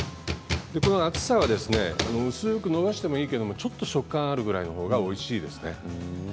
厚さは薄くのばしてもいいけどちょっと食感があるぐらいの方がおいしいですね。